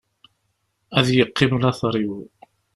Ad yeqqim later-iw.